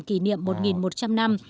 kỷ niệm một một trăm linh năm